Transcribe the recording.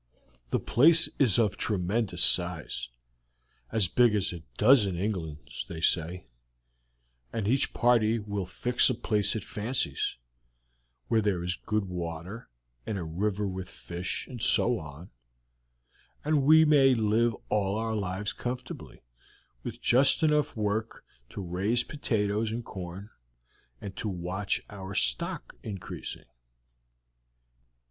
The place is of tremendous size, as big as a dozen Englands, they say, and each party will fix a place it fancies, where there is good water and a river with fish and so on, and we may live all our lives comfortably, with just enough work to raise potatoes and corn, and to watch our stock increasing.